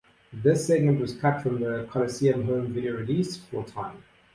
This segment was cut from the Coliseum Home Video release for time.